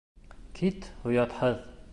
Кит, оятһыҙ!